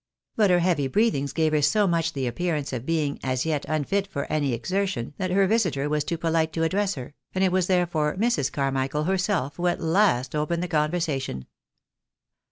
But her heavy breathings gave her so much the appearance of being, as yet, unfit for any exertion, that BOAED AND LODGING WANTED. 37 her visitor was too polite to address her, and it was therefore Mrs. Carmichael herself who at last opened the conversation.